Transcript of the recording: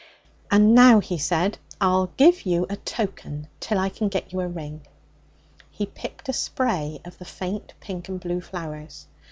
'And now,' he said, 'I'll give you a token till I can get you a ring.' He picked a spray of the faint pink and blue flowers.